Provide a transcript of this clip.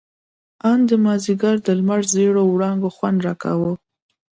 ان د مازديګر د لمر زېړو وړانګو خوند راکاوه.